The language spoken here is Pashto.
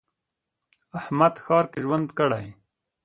احمد ښار کې ژوند کړی.